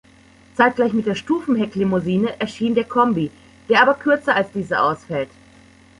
Zeitgleich mit der Stufenhecklimousine erschien der Kombi, der aber kürzer als diese ausfällt.